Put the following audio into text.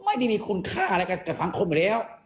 ไม่ได้มีคุณค่าอะไรกับสังคมอยู่แล้ว